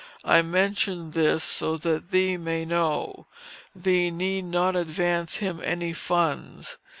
I mention this so that thee may know. Thee need not advance him any funds.